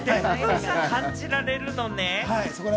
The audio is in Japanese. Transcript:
感じられるのね？